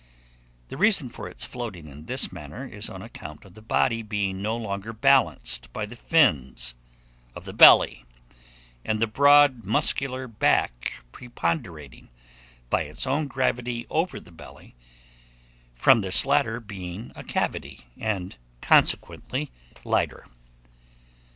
The reason for its floating in this manner is on account of the body being no longer balanced by the fins of the belly, and the broad muscular back preponderating, by its own gravity, over the belly, from this latter being a cavity, and consequently lighter.